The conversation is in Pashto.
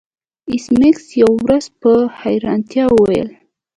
ایس میکس یوه ورځ په حیرانتیا وویل